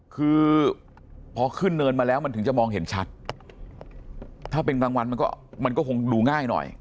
คือพอขึ้นเนินมาแล้วมันถึงจะมองเห็นชัดถ้าเป็นกลางวันมันก็มันก็คงดูง่ายหน่อย